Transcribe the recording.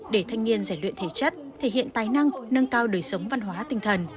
để thanh niên giải luyện thể chất thể hiện tài năng nâng cao đời sống văn hóa tinh thần